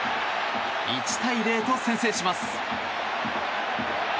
１対０と先制します。